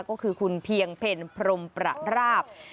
ก็คือคุณเพียงเพลพรมประราบ